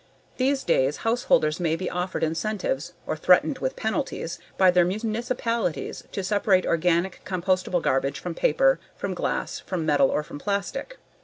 These days householders may be offered incentives (or threatened with penalties) by their municipalities to separate organic, compostable garbage from paper, from glass, from metal or from plastic.